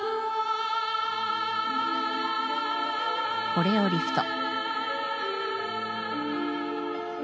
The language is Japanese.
コレオリフト。